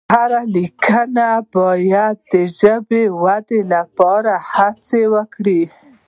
هر لیکوال باید د ژبې د ودې لپاره هڅه وکړي.